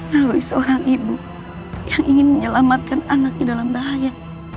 meluri seorang ibu yang ingin menyelamatkan anak di dalam bahaya